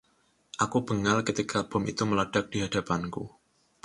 Aku bengal ketika bom itu meledak di hadapanku.